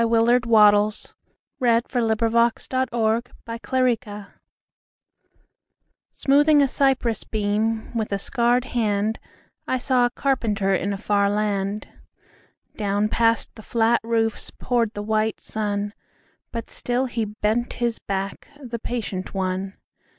Willard Austin Wattles1888–1950 The Builder SMOOTHING a cypress beamWith a scarred hand,I saw a carpenterIn a far land. Down past the flat roofsPoured the white sun; But still he bent his back, The patient one.